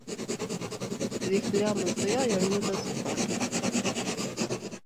Zik lliɣ meẓẓiyeɣ yernu d azital.